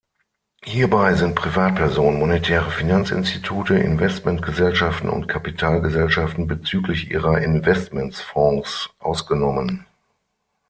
Hierbei sind Privatpersonen, Monetäre Finanzinstitute, Investmentgesellschaften und Kapitalgesellschaften bezüglich ihrer Investmentfonds ausgenommen.